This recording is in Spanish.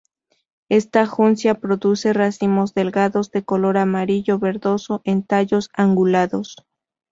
Esta juncia produce racimos delgados de color amarillo verdoso con tallos angulados.